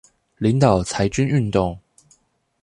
領導裁軍運動